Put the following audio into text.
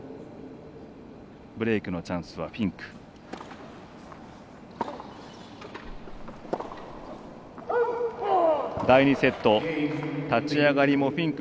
ブレークのチャンスはフィンク。